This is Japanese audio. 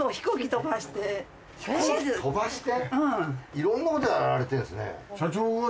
いろんなことやられてるんですね。